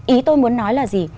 ý tôi muốn nói là gì